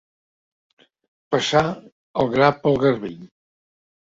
Passar el gra pel garbell.